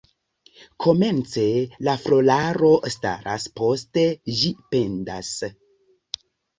Komence la floraro staras, poste ĝi pendas.